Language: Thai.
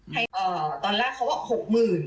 ตอนแรกเขาบอก๖๐๐๐บาท